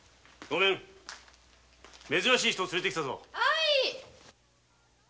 ごめん珍しい人を連れて来たぞ。